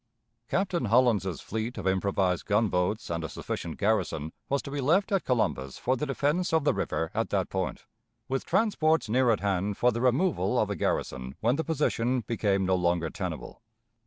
Captain Hollins's fleet of improvised gunboats and a sufficient garrison was to be left at Columbus for the defense of the river at that point, with transports near at hand for the removal of the garrison when the position became no longer tenable.